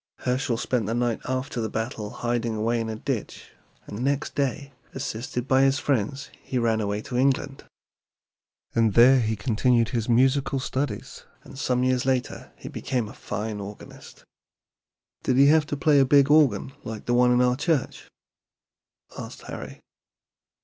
Herschel spent the night after the battle hiding away in a ditch, and next day, assisted by his friends, he ran away to England. There he continued his musical studies, and some years later he became a fine organist." "Did he have to play a big organ like the one in our church?" asked Harry.